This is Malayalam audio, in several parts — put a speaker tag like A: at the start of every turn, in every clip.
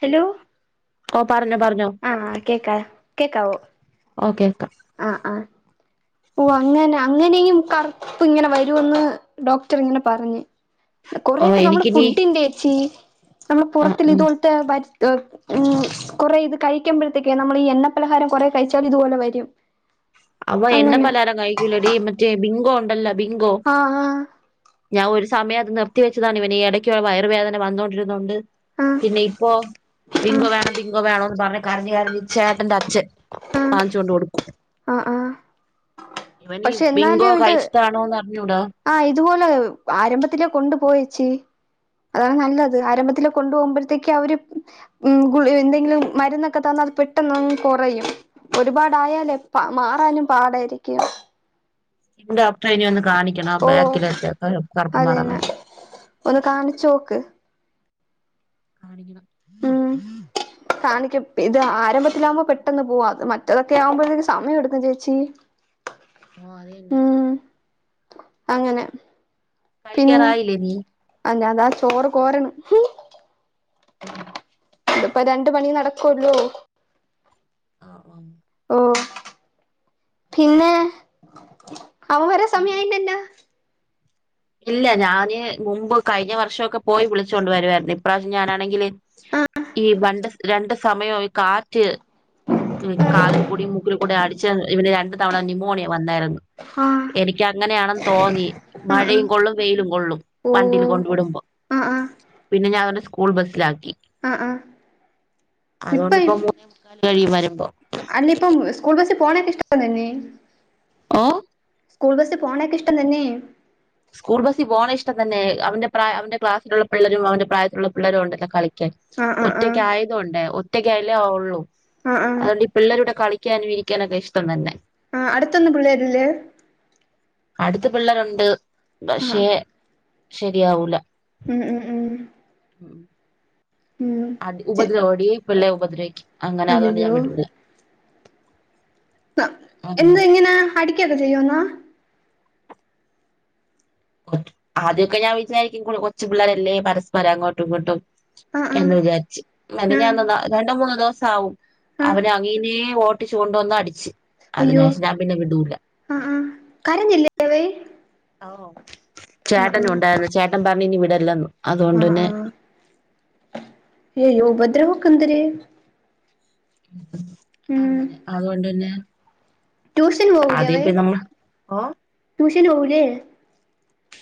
A: ഹലോ
B: ഓ പറഞ്ഞോ പറഞ്ഞോ
A: ആഹ് കേക്കാ കേക്കാവോ
B: ഓക്കെ
A: ആഹ് ആഹ് ഓ അങ്ങനെ അങ്ങനെയും കറുപ്പ് ഇങ്ങനെ വരുമന്ന് ഡോക്ടർ ഇങ്ങനെ പറഞ്ഞ്
B: ഓ
A: കൊറയക്കെ നമ്മള്
B: എനിക്കിനി
A: ഫുഡിന്റെ ചേച്ചി നമ്മള്
B: ആ
A: പുറത്തി
B: ഉം.
A: ഇതുപോലത്തെ ഉം കുറെ ഇത് കഴിക്കുമ്പോഴത്തേക്ക് നമ്മൾ ഈ എണ്ണ പലഹാരം കുറെ കഴിച്ചാൽ ഇതുപോലെ വരും
B: [inaudible] അവൻ എണ്ണ
A: അങ്ങനെ
B: പലഹാരം കഴിക്കൂലടി മറ്റേ ബിങ്കോ ഉണ്ടല്ലോ ബിങ്കോ
A: ആഹ് ആഹ്
B: ഞാൻ ഒരു സമയം നിർത്തിവച്ചതാണ് ഇവന് ഈ ഇടയ്ക്കുള്ള വയറുവേദന വന്നൊണ്ടയിരുന്നോണ്ട്
A: ആഹ്
B: പിന്നെ ഇപ്പോ ബിങ്കോ
A: ആഹ്
B: വേണം ബിങ്കോ വേണോന്ന് പറഞ്ഞ് കരഞ്ഞ് കരഞ്ഞ് ചേട്ടന്റെ അച്ഛൻ
A: ആഹ്
B: വാങ്ങിച്ചോണ്ട് കൊടുക്കും
A: ആഹ് ആഹ്
B: ഇവന് ഈ
A: പക്ഷെ
B: ബിങ്കോ
A: എന്നാലും ഇത്
B: കഴിച്ചിട്ടാണോന്ന് അറിഞ്
A: ആഹ് ഇതുപോലെ ആരംഭത്തിലെ കൊണ്ടു പോ ചേച്ചി അതാണ് നല്ലത് ആരംഭത്തിൽ കൊണ്ടുപോകുമ്പോഴത്തേക്ക് അവര് ഉം ഗുളി എന്തെങ്കിലും മരുന്നൊക്കെ തന്ന് പെട്ടെന്നൊന്നു കുറയും ഒരുപാടായാലേ മാറാനും പാടായിരിക്കും
B: ഇനി ഡോക്ടറേ ഇനി ഒന്ന് കാണിക്കണം ആ
A: ഓ
B: ബാക്കിലത്തെ കാറു കറുപ്പ് മാറാൻ
A: അതന്നെ
B: വേണ്ടി
A: ഒന്ന് കാണിച്ചോക്ക്
B: കാണിക്കണം
A: ഉം കാണിക്കും ഇത് ആരംഭത്തിലാകുമ്പോ പെട്ടെന്ന് പോവാ അത് മറ്റതൊക്കെ ആകുമ്പോഴത്തേക്ക് സമയം എടുക്കും ചേച്ചി
B: ഓ അത് തന്നെ
A: ഉം അങ്ങനെ
B: കഴിക്കാറായില്ലേ നീ
A: അല്ലാ താ ചോറ് കോരണ്
B: ഉം.
A: ഇതിപ്പോ രണ്ട് പണിയും നടക്കുവല്ലോ
B: ആഹ് ആഹ്
A: ഓ പിന്നെ അവൻ വരാൻ
B: പിന്നെ
A: സമയായില്ലല്ലോ
B: ഇല്ല ഞാന് മുമ്പ് കഴിഞ്ഞ വർഷംക്കെ പോയി വിളിച്ചോണ്ട് വരുവായിരുന്നു ഇപ്രാവശ്യം ഞാനാണെങ്കില് ഈ വണ്ട് രണ്ട് സമയം ആയ കാറ്റ് മു
A: ആ
B: കാതിൽ കൂടി മൂക്കില് കൂടി അടി ച്ച് ഇവന് രണ്ടു തവണ നിമോണിയ വന്നായിരുന്നു
A: ആഹ്
B: എനിക്ക്ങ്ങനെയാണെന്ന് തോന്നി
A: ആഹ് ആഹ്
B: മഴയും കൊള്ളും വെയിലും കൊള്ളും
A: ഓഹ്
B: വണ്ടിൽ കൊണ്ടു വിടുമ്പോ
A: ആഹ് ആഹ്
B: പിന്നെ ഞാൻ അവന്റെ സ്കൂൾ ബസ്സിലാ ക്കി
A: ആഹ് ആഹ്
B: അതുകൊണ്ടിപ്പോ
A: ഇപ്പം
B: മൂന്നേ മുക്കാല് കഴിയും വരുമ്പോ
A: അല്ല ഇപ്പം സ്കൂൾ ബസ്സിൽ പോണൊക്കെ ഇഷ്ടം തന്നെ
B: ഓ
A: സ്കൂൾ ബസ്സി പോണൊക്കെ ഇഷ്ടം തന്നെ
B: സ്കൂൾ ബസ്സി പോണ ഇഷ്ടം തന്നെ അവന്റെ പ്രായ അവന്റെ ക്ലാസിലുള്ള പിള്ളരും അവന്റെ പ്രായത്തിലുള്ള പിള്ളരും ഉണ്ടല്ലോ കളി ക്കാൻ
A: ആഹ് ആഹ് ആഹ്
B: ഒറ്റക്കായത് കൊണ്ടേ ഒറ്റക്കായാലേ ഒള്ളൂ
A: ആഹ് ആഹ്
B: അതുകൊണ്ട് ഈ പിള്ളേരെ കൂടെ കളി ക്കാനും ഇരിക്കാനൊക്കെ ഇഷ്ടം തന്നെ
A: ആ അടുത്തൊന്നും പിള്ളേരില്ലേ
B: അടുത്ത് പിള്ളേരുണ്ട് പക്ഷേ
A: ആഹ്
B: ശരിയാവൂല
A: ഉം ഉം ഉം ഉം
B: അടി ഉപദ്രവുംടി പിള്ളെ ഉപദ്രവിക്കും അങ്ങനെ അതുകൊണ്ട് ഞാൻ
A: അയ്യയ്യോ
B: വിടൂല്ല
A: എന്ത് എങ്ങനാ അടിക്ക ഒക്കെ ചെയ്യോന്നോ
B: ആദ്യമൊക്കെ ഞാൻ വിചാരിക്കും കൊച്ചു പിള്ളേരല്ലേ പരസ്പരം അങ്ങോട്ടും ഇങ്ങോട്ടും
A: ആഹ് ആഹ്
B: എന്ന് വിചാരിച്ച്
A: ആഹ്
B: മെനങ്ങാന്ന് ന രണ്ടോ മൂന്നോ ദിവസം ആവും
A: ആഹ്
B: അവനെ അങ്ങിനെ ഓ ട്ടിച്ച്കൊണ്ട് വന്ന് അടിച്ച്
A: അയ്യോ
B: അതിനേഷം ഞാൻ പിന്നെ വിടൂല
A: ആഹ് ആഹ് കരഞ്ഞില്ലേ അവൻ
B: ഓ
A: ആഹ്
B: ചേട്ടനും
A: ആഹ്
B: ഉണ്ടായിരുന്നു ചേട്ടൻ പറഞ്ഞിനി വിടല്ലന്ന്
A: ആഹ് ആഹ് അയ്യയ്യോ ഉപദ്രവൊക്കെ എന്തര്
B: അങ്ങനെ അതുകൊണ്ട് പിന്നെ
A: ട്യൂഷന് പോവൂലെ
B: ആദ്യം
A: അവൻ
B: പിന്നെ നമ്മൾ ഓ
A: ട്യൂഷന് പോവൂലെ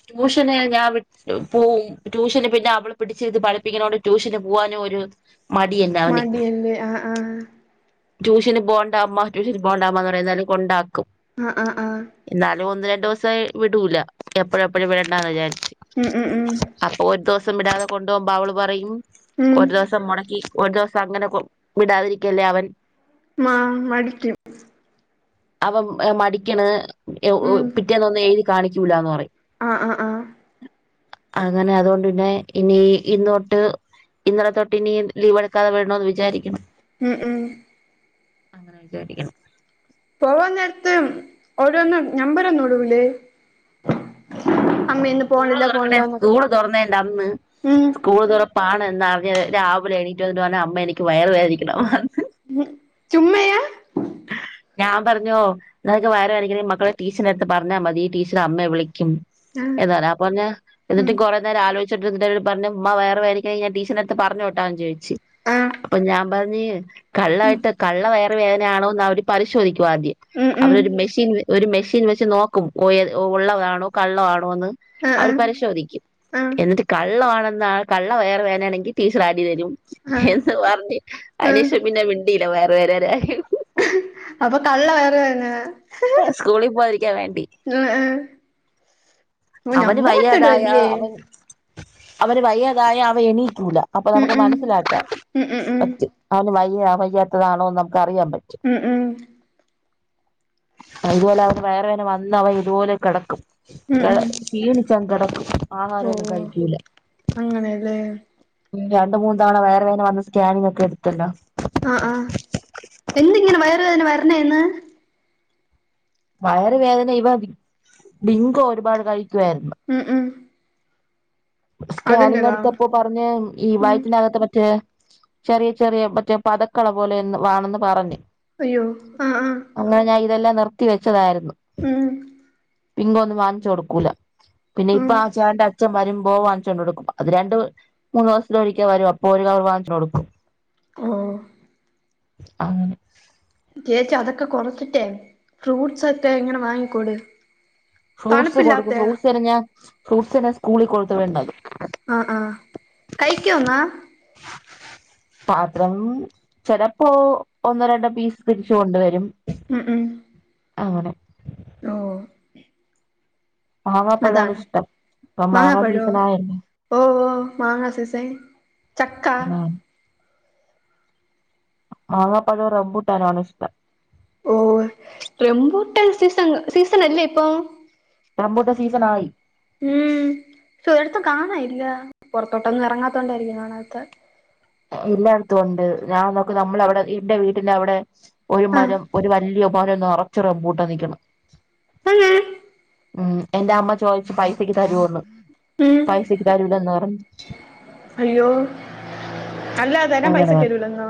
B: ട്യൂഷന് ഞാൻ വി പോവും ട്യൂഷന് പിന്നെ അവള് പിടിച്ചിരുത്തി പഠിപ്പിക്കുന്നോണ്ട് ട്യൂഷന് പോവാനും ഒരു മടി എനവന്
A: മടിയല്ലേ ആഹ് ആഹ്
B: ട്യൂഷന് പോവണ്ട അമ്മ ട്യഷന് പോണ്ടമ്മ എന്ന് പറയും എന്നാലും കൊണ്ടാ ക്കും
A: ആഹ് ആഹ് ആഹ്
B: എന്നാലും ഒന്ന് രണ്ടു ദിവസേ വിടൂല എപ്പഴും എപ്പഴും വിടണ്ടാന്ന് വിചാരി
A: ഉം -ഉം -ഉം
B: ദിവസം വിടാതെ കൊണ്ടു പോവുമ്പോ അവള് പറയും
A: ഉം
B: ഒരു ദിവസം മുടക്കി ഒരു ദിവസം അങ്ങനെ കൊ വിടാതിരിക്കല്ലേ അവൻ
A: മ മടിക്കും
B: അവൻ മടിക്കണ്
A: ഉം
B: പിറ്റേന്നൊന്നും എഴുതി കാണിക്കൂല്ലാന്ന് പറയും
A: ആഹ് ആഹ് ആഹ്
B: അങ്ങനെ അതുകൊണ്ട് പിന്നെ ഇനി ഇന്നോട്ട് ഇന്നലെ തൊട്ട് ഇനി ലീവ് എടുക്കാതെ വിടണോന്ന് വിചാരിക്കണ്
A: ഉം -ഉം
B: അങ്ങനെ വിചാരിക്കണം
A: പോവാ നേരത്ത് ഓരൊന്നും നമ്പരൊന്നും ഇടൂലേ അമ്മ ഇന്ന്
B: സ്കൂള്
A: പോണില്ല
B: തുറക്കണേ
A: പോണില്ലന്നൊക്കെ
B: സ്കൂള് തുറന്നേന്റെ അന്ന്
A: ഉം
B: സ്കൂള് തുറപ്പാണ് എന്നറിഞ്ഞത് രാവിലെ എണീറ്റ് വന്നിട്ട് പറഞ്ഞ് അമ്മ എനിക്ക് വയറ് വേദനിക്കണ [unintelligible]
A: ഉം ചുമ്മായ
B: ഞാൻ പറഞ്ഞോ നിനക്ക് വയറ് വേദനിക്കന്നെങ്കി മക്കളെ ടീച്ചറിന്റെ എടുത്ത് പറഞ്ഞാ മതി ടീച്ചർ അമ്മയെ വിളി ക്കും
A: ആഹ്
B: എന്ന് പറഞ്ഞ് അപ്പൊ പറഞ്ഞ് എന്നിട്ട്
A: ഉം
B: കൊറേ നേരം ആലോചി ച്ചിട്ട് എന്റടുത്ത് പറഞ്ഞ് ഉമ്മ വയറ് വേദനിക്കുന്നെങ്കി ഞാൻ ടീച്ചറിന്റടുത്ത് പറഞ്ഞോട്ടാന്ന് ചോ ച്ച്
A: ആഹ്
B: അപ്പൊ ഞാൻ പറഞ്ഞ് കള്ളായിട്ട് കള്ള വയറ് വേദനയാണോന്ന് അവര് പരിശോധിക്കും ആദ്യം
A: ഉം ഉം
B: അവരൊരു മെഷീൻ ഒരു മെഷീൻ വെച്ച് നോക്കും ഓയെ ഒള്ളതാണോ കള്ളവാണോന്ന്
A: ആഹ്
B: അവർ
A: ആഹ്
B: പരിശോധിക്കും എന്നിട്ട് കള്ളവാണ് ന്ന കള്ള വയറു വേദനാണെങ്കി ടീച്ചർ ആടി തരും
A: ആഹ് ആഹ്
B: എന്ന് പറഞ്ഞ്
A: ആഹ്
B: അതിനേഷം പിന്നെ മിണ്ടി ല്ല വയറുവേദനേടെ കാര്യം
A: അപ്പൊ കള്ള വയറുവേദന
B: ആണ് സ്കൂളി പോവാതിരിക്കാൻ വേണ്ടി
A: ആഹ് ഓ
B: അവന്
A: നമ്പറൊക്കെ
B: വയ്യാതായ
A: ഇടുവല്ലേ
B: അവൻ അവന് വയ്യാതായ അവ എണി ക്കൂല അപ്പൊ
A: ഉം
B: നമുക്ക്
A: ഉം
B: മനസ്സിലാക്കാൻ
A: ഉം ഉം
B: പറ്റും
A: ഉം
B: അവന് വയ്യ വയ്യാത്തതാണോ ന മുക്കറിയാൻ പറ്റും
A: ഉം ഉം
B: അത്പോലെ അവ വേറെ വിനെ വന്ന അവ ഇതുപോലെ കിടക്കും
A: ഉം
B: കെട
A: ഉം
B: ക്ഷീണിച്ചൻ കിടക്കും
A: ഓ
B: ആഹാരഒന്നും കഴിക്ക്യൂല
A: അങ്ങനെയല്ലേ
B: രണ്ടു മൂന്ന് തവണ വേറെ പിന്നെ വന്ന് സ്കാനിങ്ങ ഒക്കെ എടുത്തല്ലോ
A: ആഹ് ആഹ് എന്തിങ്ങനെ വയറുവേന വരണെന്നെ
B: വയറ് വേദന ഇവ അ ഡിങ്കോ ഒരുപാട് കഴിക്കുവായിരുന്നു
A: ഉം ഉം അതിന്റെതാ
B: സ്കാനിങ്ങെടുത്തപ്പോ പറഞ്ഞ ഈ
A: ഉം
B: വായറ്റിനകത്തെ മറ്റേ ചെറിയ ചെറിയ പറ്റേ പതക്കള പോലെ എന്ന് വാണെന്ന് പറഞ്ഞു
A: അയ്യോ ആഹ് ആഹ്
B: അങ്ങനെ ഞാഇതെല്ലാം നിർത്തി വെച്ചതായിരുന്നു
A: ഉം
B: പിങ്കൊന്നും വാങ്ങിച്ചു കൊടുക്കൂല പിന്നെ ഇപ്പ
A: ഉം
B: ആ ചേട്ടന്റെ അച്ഛൻവരും ഓ വാങ്ങിച്ചുകൊണ്ടു കൊടുക്കും അത് രണ്ട് മൂന്ന് ദിവസത്തിലൊരിക്ക വരും അപ്പോ ഒരു കവർ വാങ്ങിച്ച കൊടുക്കും
A: ഓ
B: [unintelligible]
A: ചേച്ചി അതൊക്കെ കൊറച്ചിട്ടേ ഫ്രൂട്ട്സ് ഒക്കെ ഇങ്ങനെ വാങ്ങിക്കൊട്
B: ഫ്രൂട്ട്സ് കൊടുക്കും
A: തണുപ്പില്ലാത്തെ
B: ഫ്രൂട്ടസ് പിന്നെ ഞാൻ ഫ്രൂട്സിന് കൂളി കൊടുത്ത് വേണ്ടത്
A: ആഹ് ആഹ് കഴിക്കോന്നാ
B: പാത്രം ചെലപ്പോ ഒന്നോ രണ്ടോ പീസ് തിരിച്ച് കൊണ്ടുവരും
A: [unintelligible]
B: അങ്ങനെ
A: ട്രോ
B: മാങ്ങാപ്പഴാണിഷ്ടം
A: മങ്ങാപ്പഴോ ഓ ഓ മാങ്ങാസീസൻ ചക്കാ
B: മാങ്ങാപഴ റംബൂട്ടാനാണിഷ്ടം.
A: ഓ റംബൂട്ടാൻ സീസൺ സീസണല്ലേ ഇപ്പൊ
B: റംബൂട്ടാൻ സീസൺ ആയി
A: ഉം സുരടത്തും കണാനി ഇല്ല പൊറത്തോട്ടൊന്നും എറങ്ങാത്തോണ്ടായിരിക്കും കാണാത്ത്.
B: എല്ലായിടത്തും ഉണ്ട് ഞാൻ നോക്ക നമ്മളവിടെ എന്റെ വീട്ടിലവടെ ഒരു
A: ആഹ്
B: മരം, ഒരു വല്ല്യേ മരം നറച്ചു റംബൂട്ടാൻ നിക്കണ്
A: ആ [unintelligible]
B: ഉം എന്റെ അമ്മ ചോദിച്ചു പൈസക്ക് തരോന്ന്,
A: ഉം
B: പൈസക്ക് തരൂലന്ന് പറഞ്ഞു
A: അയ്യോ അല്ല തരാൻ
B: അങ്ങന
A: പൈസക്ക് തരൂലന്നാ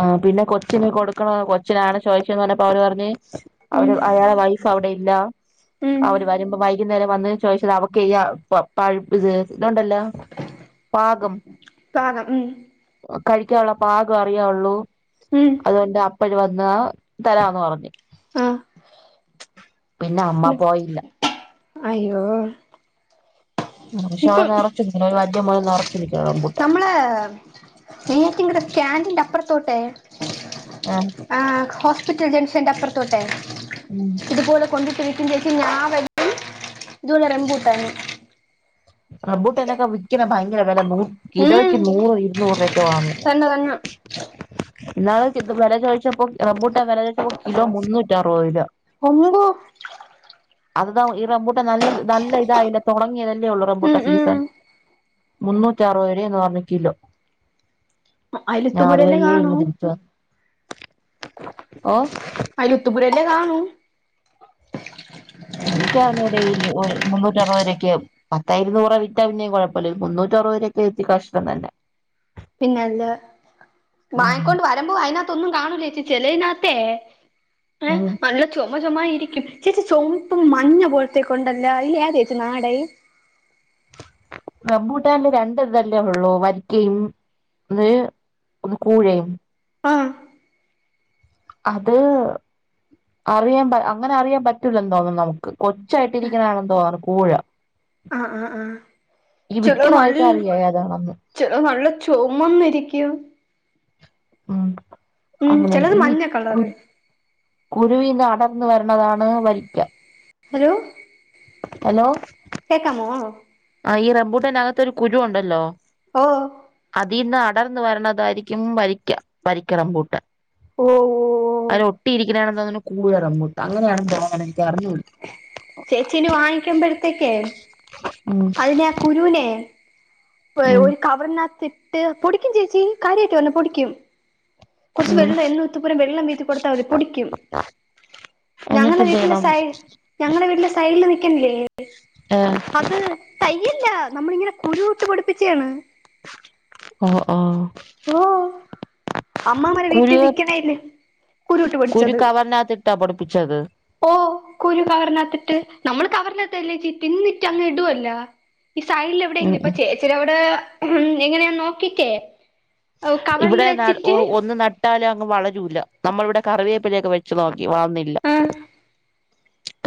B: ആ പിന്നെ കൊറ കൊച്ചിന് കൊടുക്കണോ കൊച്ചിനാണ് ചോയിച്ന്ന് പറഞ്ഞപ്പോ അവര് പറഞ്ഞ്
A: ഉം
B: അവര് അയാള വൈഫ് അവിടെ ഇല്ല,
A: ഉം
B: അവര് വരുമ്പോ വൈകുന്നേരം വന്ന് ചോദിച്ചത് അവക്ക് യാ പ പഴ്പ്പ് സ്‌ ഇതൊണ്ടല്ലോ പാകം
A: പാകം ഉം
B: കഴിക്കാനുള്ള പാകം അറിയാവൊള്ളൂ
A: ഉം
B: അതുകൊണ്ട് അപ്പഴ് വന്ന് തരാന്ന് പറഞ്ഞു
A: ആഹ്
B: ത് പിന്നെ അമ്മ പോയില്ല
A: അയ്യോ
B: ആ പക്ഷെ ആ
A: ഇപ്പൊ
B: നെറച്ചു നക്കണ ഒരു വല്ല്യെ മരം നെറച്ചു നക്കണ റംബൂട്ടാൻ
A: ഏറ്റിങ്ഡ് സ്കാൻഡിൻ്റെ അപ്പുറത്തോട്ടെ
B: ഏഹ്
A: ആ ഹോസ്പിറ്റൽ ജംഗ്ഷന്റെ അപ്പുറത്തോട്ടേ
B: ഉം
A: ഇതുപോലെ കൊണ്ടിട്ടിരി ചച്ച ഞാൻ വും ഇത്റം കൂട്ടരുന [unintelligible]
B: റംബൂട്ടാനൊക്കെ വിക്കണ് ഭയങ്കര വെലെ നൂ
A: ഉം
B: കിലോയ്ക്ക് നൂറ് ഇരുന്നൂറ് രുവഒക്കെ വാങ്ങും
A: തന്നെ തന്നെ
B: ഇന്നാള് കി വെല ചോയിച്ചപ്പോ റംബൂട്ടാൻ വെല ചോയിച്ചപ്പോ കിലോ മുന്നൂറ്റി അറുപത് രൂവാ
A: ഒമ്പോ
B: അത്താവും ഈ റംബൂട്ട നല്ലത് നല്ല ഇതായില്ല തുടങ്ങിയതല്ലേ ഉള്ളൂ റബൂട്ട
A: ഉം ഉം
B: സീസൺ മുന്നൂറ്റാറുപത് വരെ എന്ന്പറന്നി ക്കില്ലോ
A: അ അലുത്തപൂരല്ലേ കാണോ
B: വന്നു ഓ
A: അലത്തുപുരല്ലെ കാണു
B: എനിക്കരിന്നുടെഇ ഓ മുന്നൂറ്ററുപതിനെ ക്കം പത്തായിരുന്നൂറ വിറ്റാ പിന്ന കുഴപ്പമില്ല മുന്നൂറ്റ അറുപതരൊക്കെ എത്തി കഷ്ടണംതന്നെ
A: പിന്നെല്ല
B: അങ്ങനെ
A: വാങ്ങിക്കൊണ്ട് വരുമ്പോ അയിതിന ഒന്നും കാണുല ചേച്ചി ചെിലതിനകത്തെ ഏ
B: ഉം
A: നല്ല ചോ ചെമ ചെമ യിരിക്കും ചേച്ചി ചൊമ്പും മഞ്ഞ പോലത്തെ കൊണ്ടല്ല അയിൽ ഏദെക്കും നാടൻ
B: റംബൂട്ടന്റെ രണ്ട് ഇതല്ലേ ഉള്ളൂ വരിക്കയും ഒന്ന് ഒന്ന് കൂഴയും
A: ആ
B: അത് അറിയാൻ പ അങ്ങനെ അറിയാൻ പറ്റൂലല്ലോ തോന്നുന്നു നമുക്ക് ഒച്ചായിട്ടിരിക്കുന്ന ആണെന്ന് തോന്നുന്നു കൂഴ
A: ആ ആ ആ
B: ഈ
A: ചിലത്
B: വിക്കണവർക്ക്
A: നല്ല
B: അറിയാം ഏതാണെന്ന്
A: ചിലത് നല്ല ചുമുമന്നിരിക്കും
B: ഉം അങ്ങനെ
A: ചിലത്
B: ഇ
A: മഞ്ഞ
B: കു
A: കളറ്
B: കുരുവിന്ന് അടർന്നു വരണതാണ് വരിക്ക
A: ഹലോ
B: ഹലോ
A: കേക്കാമോ
B: ആ ഈ റംബൂട്ടനകത്ത ഒരു കുരു ഉണ്ടല്ലോ
A: ഓ
B: അതിന്നാ അടർന്ന് വരണതായിരിക്കും വരിക്ക വരിക്ക റംബുട്ടാൻ
A: ഓ
B: അധിലൊട്ടിയിരിക്കണാണണെന്ന് തോനുന്നു കുഴ റബുട്ടാൻ അങ്ങനെയണ് തോന്ണ് ക്ക് അറിഞ്ഞൂട
A: ത്തിൽ വാങ്ങിക്കുമ്പഴത്തേക്ക്
B: ഉം
A: അതിനെ കുരുവിനെ
B: ഉം
A: ഒരു കവറിനകത്തിട്ട് പൊടിക്കും ചേച്ചി കാര്യമായിട്ട് പറഞ്ഞ പൊടിക്കും കുറച്ച്
B: ഉം
A: വെള്ളം എന്ന ഒത്തപ്പുരം വെള്ളം വീത്തി കൊടുത്താൽ മതി പൊടിക്കും
B: എന്നിട്ട്
A: ഞങ്ങളുടെ
B: എന്ത്
A: വീട്ടിലെ
B: ചെയ്യണം
A: സൈ ഞങ്ങളുടെ വീട്ടിലെ സൈഡിൽ നി ക്കില്ലേ
B: ഏ
A: അത് തയ്യല്ല നമ്മളിങ്ങനെ കുരുട്ട് പഠിപ്പിച്ചേണ്
B: ഓ അ
A: ഓ അമ്മമാരെ വീട്ടിൽ
B: കുരു
A: നിക്കണല്ലേ കുരുൂട്ട്
B: കുരു
A: പൊടിച്ചത്
B: കവറിനകത്തിട്ടാ പൊടിപ്പിച്ചത്
A: ഓ കുരു കവറിനത്തിട്ട് നമ്മള് തവർല് ഇല്ലേ ചിറ്റിന്നിറ്റ അങ്ങ് ഇടുല്ല ഈസെയ്
B: ഉം
A: എവിടെയെങ്കിലും ഇപ്പൊ
B: ഉം
A: ചേച്ചിവിടെ ഉ എങ്ങനെയൻ നോക്കട്ടേ
B: ഇവിടെ ന ഒന്ന് നട്ടാലേ അങ്ങ് വളരൂല്ല നമ്മള ഇവിടെ കറിവിയേപ്പലൊക്കെ വെച്ചതോ വില്ല
A: ആ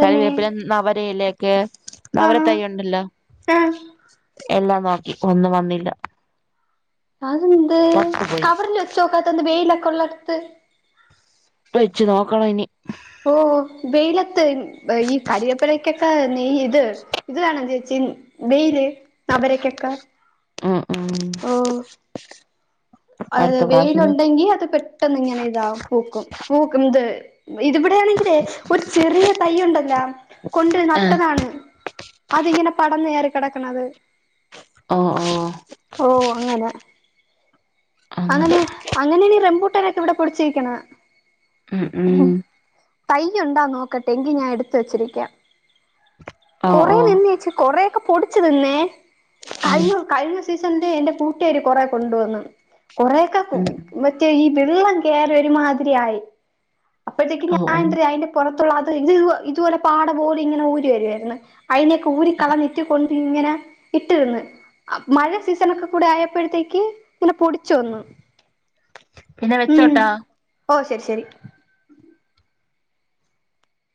A: തന്നെ
B: കറിവേപ്പില നവരയിലേക്കെ
A: ആ
B: നവരതൈ ഉണ്ടല്ലോ
A: ആ
B: എല്ലാം നോക്കി ഒന്നും വന്നില്ല
A: അത്ന്ത്
B: പത്ത് പോയി
A: കവറല് വെചെക്കാതന്ത്‌ വെയില കൊള്ളടുത്ത്
B: വെച്ചു നോക്കണം ഇനി
A: ഓ വെയിലത്ത് ഈ കരിവപ്പഴക്കൊക്കെ നെയ ഇത് ഇത് വണ ചേച്ചി ചി വേയിൽ
B: അ അ
A: അഹ് വെയിലുണ്ടെങ്കി അത് പെട്ടെന്ന് ഇങ്ങനെ ഇതാാവും പൂക്കും പൂക്കുംന്ത് ഇത് ഇടെയാണെങ്കിലേ ഒരു ചെറിയ തൈ ഉണ്ടല്ലോ കൊണ്ട്
B: നോക്കാം
A: നട്ടതാണ് അതിങ്ങനെ പടന്ന് ഏറി കിടക്കണത്
B: അ അ
A: അങ്ങനെ അങ്ങന
B: അങ്ങനെ
A: അങ്ങനെണീ റെംബൂട്ടനൊക്കെ ഇവിടെ പൊടിച്ചിരിക്കണ
B: ഉം ഉം
A: തയ്യുണ്ടാ നോക്കട്ടെ എങ്കി ഞാൻ എടുത്ത വച്ചിരിക്കാം
B: ഓ
A: കൊറ
B: ഓ
A: നിന്നേച്ചി കൊറെൊക്കെ പൊടിിച്ചു നിന്നേ
B: ഉം
A: കഴിഞ്ഞ കഴിഞ്ഞ സീസണില എൻറെ കൂട്ടുകാർ കൊറെ കൊണ്ടുവന്നു കുറെൊക്കെ
B: ഉം
A: മറ്റേ ഈ വെള്ളം കേയറ ഒരുമാതിരിയയി അപ്പോഴത്തേക്ക്
B: ഓ ഓ
A: ഞാൻ അതിന്റെ പുറത്തുള്ള അത് ഇത് ഇതുപോലെ പാടപോടി ഇങ്ങെഊ വരുായിരുന്നു അതിനെയൊക്കെ ഊ കളം നെട്ടിക്കൊണ്ടി ന ഇന്ന് മഴ സീസൺ ഒക്കെ കൂടെ ആയപ്പോഴത്തേക്ക്ങ്ങെ ചന്നുന്നു
B: പിന്നെ
A: ഉം
B: വെച്ചോട്ടാ
A: ഓ ശരി ശരി.